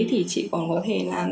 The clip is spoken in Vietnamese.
thì chị còn có thể làm